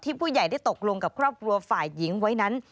ผู้ใหญ่ได้ตกลงกับครอบครัวฝ่ายหญิงไว้นั้น